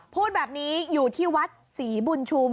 พูดแบบนี้อยู่ที่วัดศรีบุญชุม